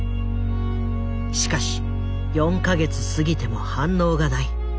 しかし４か月過ぎても反応がない。